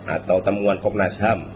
atau temuan komnas ham